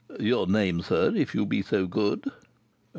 "Your name, sir, if you be so good?"